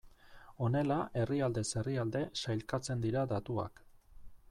Honela herrialdez herrialde sailkatzen dira datuak.